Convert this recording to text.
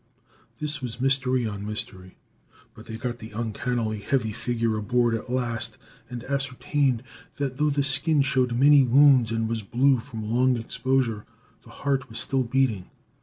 This was mystery on mystery. But they got the uncannily heavy figure aboard at last and ascertained that, though the skin showed many wounds and was blue from long exposure, the heart was still beating.